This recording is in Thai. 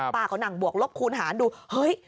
ป้าก็นั่งบวกลบคูณหารดูเฮ้ย